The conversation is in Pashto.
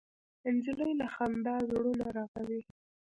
نجلۍ له خندا زړونه رغوي.